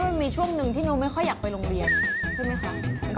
มันมีช่วงหนึ่งที่หนูไม่ค่อยอยากไปโรงเรียนใช่ไหมคะ